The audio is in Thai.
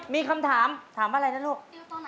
มีคำถามเถียวตอนไหนครับ